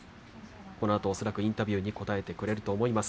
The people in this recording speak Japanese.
このあとインタビューに答えてくれると思います。